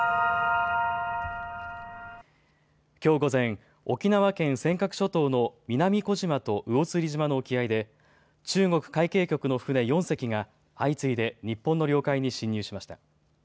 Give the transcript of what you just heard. きょう午前、沖縄県尖閣諸島の南小島と魚釣島の沖合で中国海警局の船４隻が相次いで日本の領海に侵入しました。